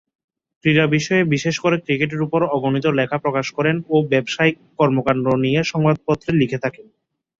ক্রীড়া বিষয়ে বিশেষ করে ক্রিকেটের উপর অগণিত লেখা প্রকাশ করেন ও ব্যবসায়িক কর্মকাণ্ড নিয়ে সংবাদপত্রে লিখে থাকেন।